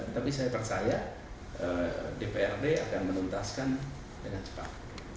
tapi saya percaya dprd akan menuntaskan dengan cepat